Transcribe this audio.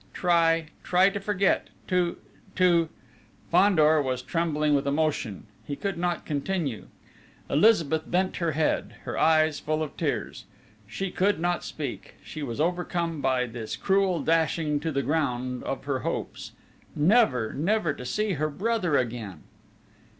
Try, try to forget to to ..." Fandor was trembling with emotion: he could not continue. Elizabeth bent her head, her eyes full of tears. She could not speak. She was overcome by this cruel dashing to the ground of her hopes. Never, never, to see her brother again!